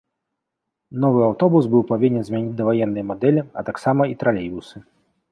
Новы аўтобус быў павінен змяніць даваенныя мадэлі, а таксама і тралейбусы.